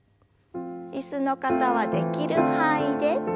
椅子の方はできる範囲で。